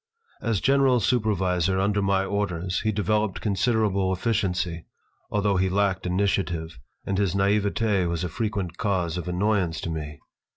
As general supervisor under my orders he developed considerable efficiency, although he lacked initiative and his naïveté was a frequent cause of annoyance to me.